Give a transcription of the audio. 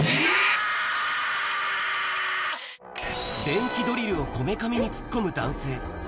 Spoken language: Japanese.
電気ドリルをこめかみに突っ込む男性。